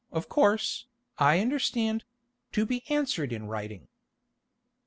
of course, I understand—to be answered in writing."